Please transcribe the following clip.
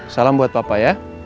salam buat papa ya